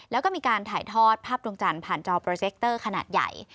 แล้วก็มีการถ่ายทอดภาพดวงจันทร์ผ่านจอโปรเคคเตอร์ขนาดใหญ่